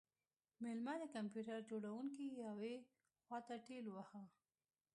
میلمه د کمپیوټر جوړونکی یوې خواته ټیل واهه